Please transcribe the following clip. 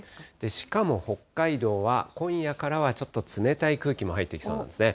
しかも北海道は、今夜からはちょっと冷たい空気も入ってきそうなんですね。